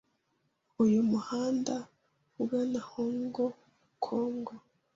Uyu muhanda ugana Hong Kong.